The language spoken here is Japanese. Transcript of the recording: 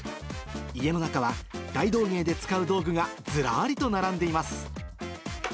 家の中は、大道芸で使う道具がずらりと並んでいます。